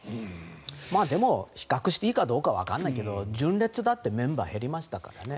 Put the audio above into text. でも比較していいかどうかわからないけど、純烈だってメンバー減りましたからね。